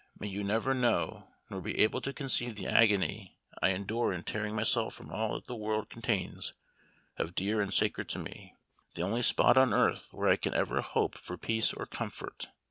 may you never know, nor be able to conceive the agony I endure in tearing myself from all that the world contains of dear and sacred to me: the only spot on earth where I can ever hope for peace or comfort.